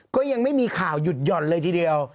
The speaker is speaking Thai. ก็ยังไม่มีข่าวหยุดหย่อนเลยทีเดียว